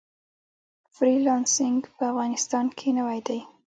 فری لانسینګ په افغانستان کې نوی دی